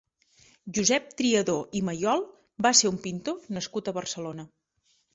Josep Triadó i Mayol va ser un pintor nascut a Barcelona.